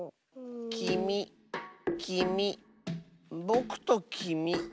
きみきみぼくときみ。